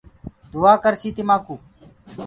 دُآآ ڪرسي تمآ ڪو